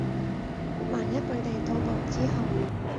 萬一佢哋到埗之後